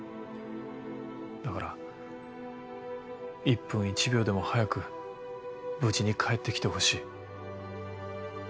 だから１分１秒でも早く無事に帰って来てほしい。